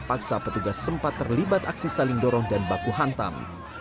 paksa petugas sempat terlibat aksi saling dorong dan baku hantam